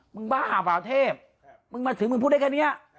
บ้าป่าเทพมึงมาถึงมึงพูดได้แค่นี้